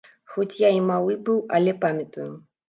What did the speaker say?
Хоць я і малы быў, але памятаю.